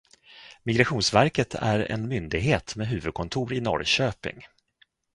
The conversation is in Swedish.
Migrationsverket är en myndighet med huvudkontor i Norrköping.